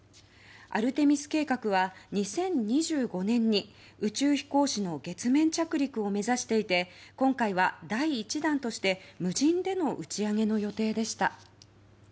アルテミス計画は２０２５年に宇宙飛行士の月面着陸を目指していて今回は第１弾として無人での打ち上げの予定でした。